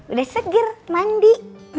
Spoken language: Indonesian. udah seger mandi